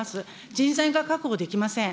人材が確保できません。